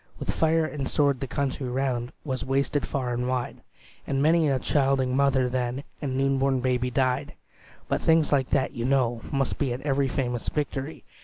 "With fire and sword the country round Was wasted far and wide, And many a childing mother then And new born baby died: But things like that, you know, must be At every famous victory.